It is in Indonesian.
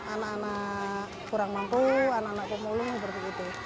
anak anak kurang mampu anak anak pemulung seperti itu